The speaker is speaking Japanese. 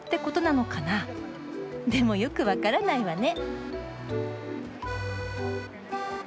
でもよく分からないわね。